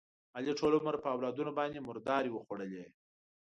علي ټول عمر په اولادونو باندې مردارې وخوړلې.